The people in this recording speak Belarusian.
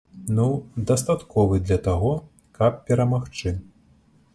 Ну, дастатковай для таго, каб перамагчы.